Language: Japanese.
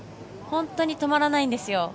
本当に止まらないんですよ。